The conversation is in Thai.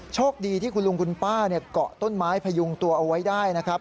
โชคดีที่คุณลุงคุณป้าเกาะต้นไม้พยุงตัวเอาไว้ได้นะครับ